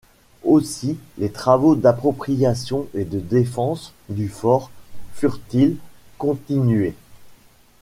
Aussi les travaux d’appropriation et de défense du fort furent-ils continués.